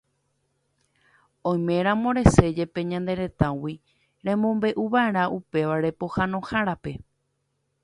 Oiméramo resẽjepe ñane retãgui, remombe'uva'erã upéva pohãnohárape